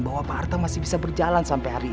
bahwa pak harto masih bisa berjalan sampai hari ini